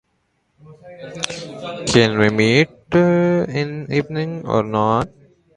He also batted without a box.